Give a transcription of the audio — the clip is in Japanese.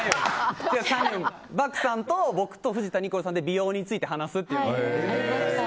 漠さんと僕と藤田ニコルさんで美容について話すっていう。